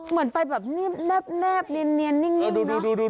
เหมือนไปแบบแนบเนียนนิ่งดู